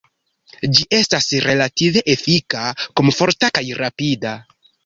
Ĝi estas relative efika, komforta kaj rapida.